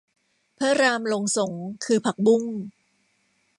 พระรามลงสรง คือผักบุ้ง